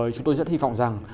chúng tôi rất hy vọng rằng